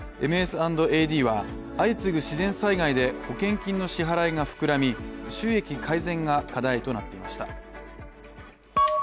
ＭＳ＆ＡＤは相次ぐ自然災害で保険金の支払いが膨らみ、収益改善が課題となっていました。